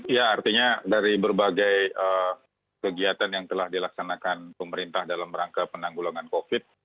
ya artinya dari berbagai kegiatan yang telah dilaksanakan pemerintah dalam rangka penanggulangan covid